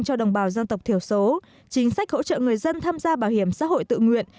cho đồng bào dân tộc thiểu số chính sách hỗ trợ người dân tham gia bảo hiểm xã hội tự nguyện